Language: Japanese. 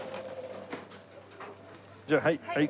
じゃあはいはい。